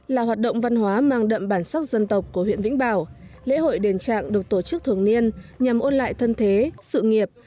là hoạt động văn hóa mang đậm bản sắc dân tộc của huyện vĩnh bảo lễ hội đền trạng được tổ chức thường niên nhằm ôn lại thân thế sự nghiệp